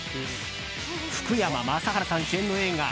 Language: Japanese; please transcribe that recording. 福山雅治さん主演の映画